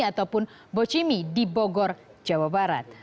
ataupun bochimi di bogor jawa barat